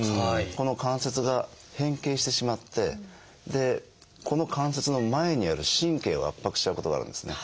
ここの関節が変形してしまってこの関節の前にある神経を圧迫しちゃうことがあるんですね。